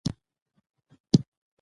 مونږ لګیا یو چای څکو.